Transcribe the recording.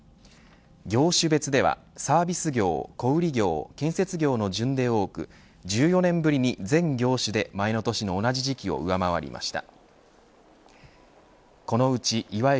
業種別ではサービス業、小売業建設業の順で多く１４年ぶりに全業種で前の年の同じ時期を上回りました。